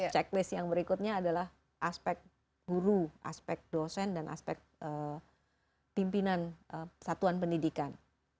checklist yang berikutnya adalah aspek guru aspek dosen dan aspek pimpinan satuan pendidikan